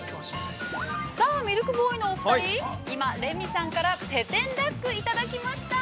◆さあ、ミルクボーイのお２人、今、レミさんからペテンダックいただきました。